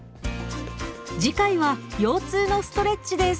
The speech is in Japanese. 次回は腰痛のストレッチです。